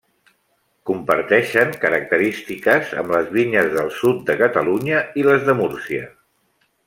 Comparteixen característiques amb les vinyes del sud de Catalunya i les de Múrcia.